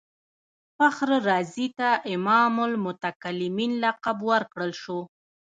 فخر رازي ته امام المتکلمین لقب ورکړل شو.